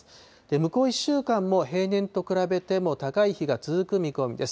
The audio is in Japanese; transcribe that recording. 向こう１週間も平年と比べても高い日が続く見込みです。